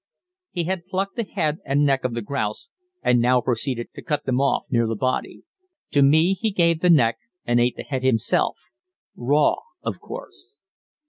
He had plucked the head and neck of the grouse, and now proceeded to cut them off near the body. To me he gave the neck, and ate the head himself raw, of course.